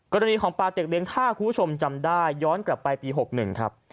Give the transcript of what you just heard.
กรณีของปลาเต็กเลี้ยท่าคุณผู้ชมจำได้ย้อนกลับไปปี๖๑ครับ